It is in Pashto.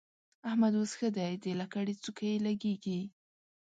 احمد اوس ښه دی؛ د لکړې څوکه يې لګېږي.